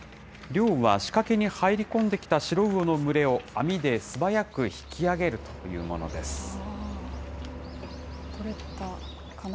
漁は仕掛けに入り込んできたシロウオの群れを、網で素早く引き上げるというものです。